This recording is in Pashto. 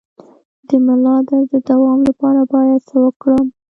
د ملا درد د دوام لپاره باید څه وکړم؟